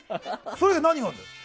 それ以外、何があるのよ。